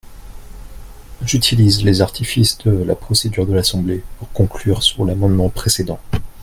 J’utilise les artifices de la procédure de l’Assemblée pour conclure sur l’amendement précédent.